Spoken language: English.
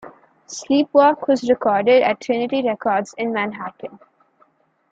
"Sleep Walk" was recorded at Trinity Records in Manhattan.